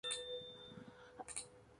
Estos se dividen en grupos de tres.